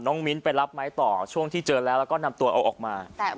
มิ้นไปรับไม้ต่อช่วงที่เจอแล้วแล้วก็นำตัวเอาออกมา